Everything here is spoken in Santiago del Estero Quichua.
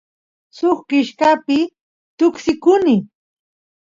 suk kishkapi tuksikuny